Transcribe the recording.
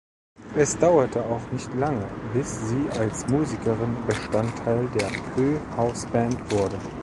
Es dauerte auch nicht lange, bis sie als Musikerin Bestandteil der Pö-Hausband wurde.